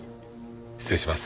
失礼します。